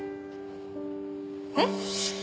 えっ！